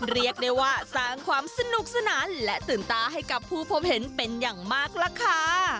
เรียกได้ว่าสร้างความสนุกสนานและตื่นตาให้กับผู้พบเห็นเป็นอย่างมากล่ะค่ะ